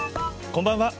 こんばんは。